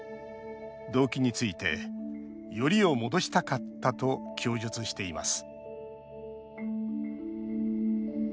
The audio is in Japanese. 動機について「よりを戻したかった」と供述しています。